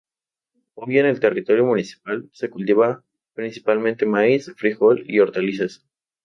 Hoy en el territorio municipal se cultiva principalmente maíz, frijol y hortalizas.